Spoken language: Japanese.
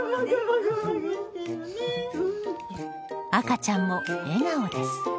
赤ちゃんも笑顔です。